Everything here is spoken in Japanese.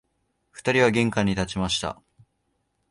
二人は玄関に立ちました